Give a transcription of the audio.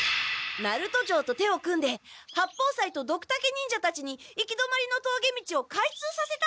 ナルト城と手を組んで八方斎とドクタケ忍者たちに行き止まりのとうげ道を開通させたんですね！